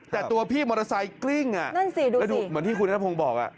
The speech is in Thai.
แต่ตัวพี่มอเตอร์ไซค์กลิ้งอ่ะนั่นสิดูแล้วดูเหมือนที่คุณนัทพงศ์บอก